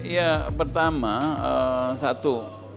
ya pertama satu